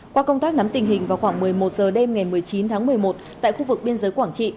qua công tác nắm tình hình vào khoảng một mươi một h đêm ngày một mươi chín tháng một mươi một tại khu vực biên giới quảng trị